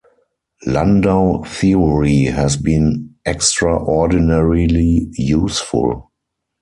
Landau theory has been extraordinarily useful.